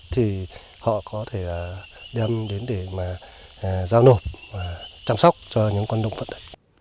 thì họ có thể đem đến để giao nộp và chăm sóc cho những con động vật đấy